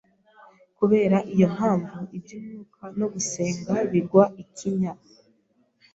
Kubera iyo mpamvu, iby’umwuka no gusenga bigwa ikinya.